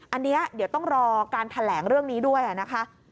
อันนี้เดี๋ยวต้องรอการแถลงเรื่องนี้ด้วยนะคะ